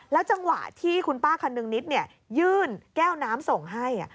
จังหวะที่คุณป้าคนนึงนิดยื่นแก้วน้ำส่งให้